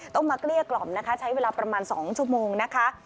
มาเกลี้ยกล่อมนะคะใช้เวลาประมาณ๒ชั่วโมงนะคะ